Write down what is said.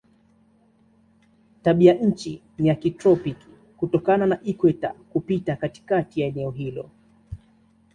Tabianchi ni ya kitropiki kutokana na ikweta kupita katikati ya eneo hilo.